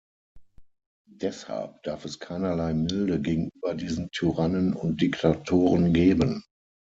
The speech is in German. Deshalb darf es keinerlei Milde gegenüber diesen Tyrannen und Diktatoren geben.